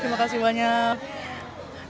terima kasih banyak